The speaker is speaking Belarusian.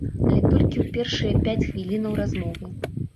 Але толькі ў першыя пяць хвілінаў размовы.